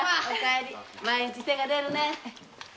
毎日精がでるね。